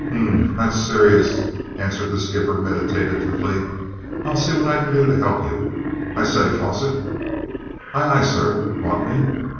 "Humph, that's serious," answered the skipper meditatively. "I'll see what I can do to help you. I say, Fosset?" "Aye, aye, sir! Want me?"